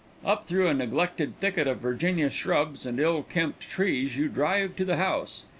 Up through a neglected thicket of Virginia shrubs and ill kempt trees you drive to the house.